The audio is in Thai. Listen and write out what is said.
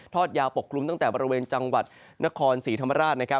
ยาวปกคลุมตั้งแต่บริเวณจังหวัดนครศรีธรรมราช